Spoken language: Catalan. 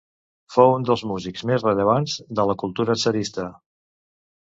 Fou un dels músics més rellevants de la cultura tsarista.